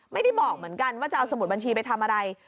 ไม่ได้บอกเหมือนกันว่าจะเอาสมุดบัญชีไปทำอะไร